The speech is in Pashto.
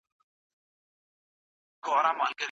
آزادو تشبثاتو د اقتصاد په وده کې رول درلود.